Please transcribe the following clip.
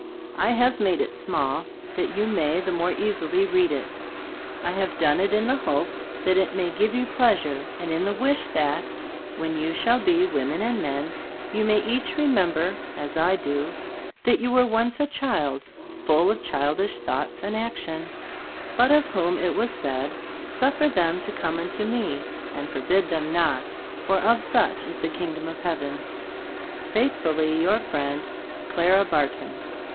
I have made it small, that you may the more easily read it. I have done it in the hope that it may give you pleasure, and in the wish that, when you shall be women and men, you may each remember, as I do, that you were once a child, full of childish thoughts and action, but of whom it was said, "Suf fer them to come unto Me, and forbid them not, for of such is the Kingdom of Heaven." Faithfully your friend, CLARA BARTON.